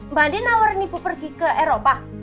mbak andi nawarin ibu pergi ke eropa